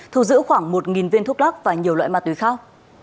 thu giữ khoảng một viên thuốc lắc và nhiều loại ma túy khác